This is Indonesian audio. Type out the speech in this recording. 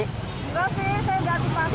gak sih saya gak atipasi